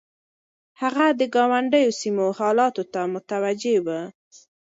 هغه د ګاونډيو سيمو حالاتو ته متوجه و.